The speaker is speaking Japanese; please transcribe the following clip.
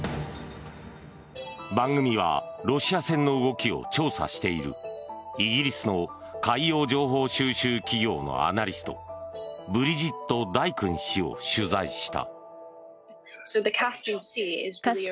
番組はロシア船の動きを調査しているイギリスの海洋情報収集企業のアナリストブリジット・ダイクン氏を取材した。